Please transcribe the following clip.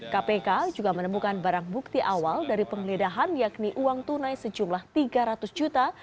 kpk juga menemukan barang bukti awal dari penggeledahan yakni uang tunai sejumlah tiga ratus juta